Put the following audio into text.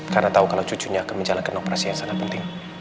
karena tahu kalau cucunya akan menjalankan operasi yang sangat penting